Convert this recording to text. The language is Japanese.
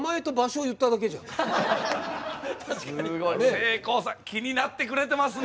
せいこうさん気になってくれてますね。